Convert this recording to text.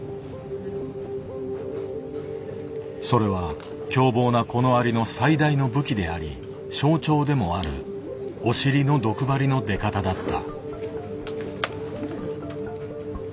それは凶暴なこのアリの最大の武器であり象徴でもあるお尻の毒針の出方だった。